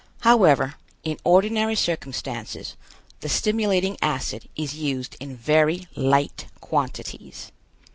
However, in ordinary circumstances, the stimulating acid is used in very light quantities.